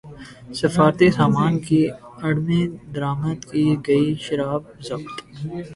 سفارتی سامان کی اڑ میں درامد کی گئی شراب ضبط